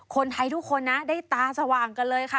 คนไทยทุกคนนะได้ตาสว่างกันเลยค่ะ